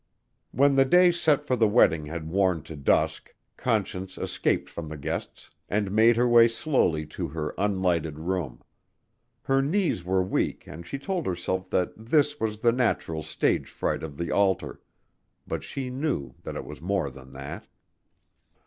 When the day set for the wedding had worn to dusk, Conscience escaped from the guests and made her way slowly to her unlighted room. Her knees were weak and she told herself that this was the natural stage fright of the altar but she knew that it was more than that.